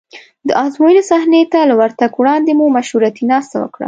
د ازموینې صحنې ته له ورتګ وړاندې مو مشورتي ناسته وکړه.